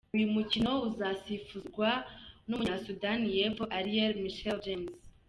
Uyu mukino uzasifurwa n’Umunya-Sudani y’Epfo, Alier Michael James.